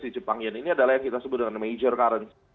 di jepang yen ini adalah yang kita sebut dengan major currency